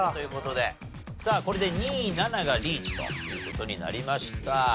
さあこれで２７がリーチという事になりました。